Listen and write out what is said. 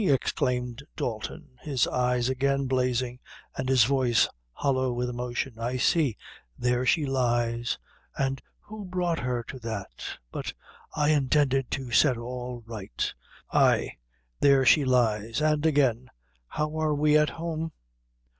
exclaimed Dalton, his eyes again blazing, and his voice hollow with emotion "I see there she lies; and who brought her to that? But I intended to set all right. Ay there she lies. An' again, how are we at home?